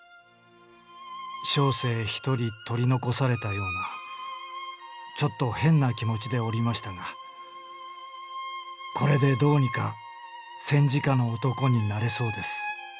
小生一人取り残された様な一寸変な気持ちでおりましたがこれでどうにか戦時下の男になれそうです」。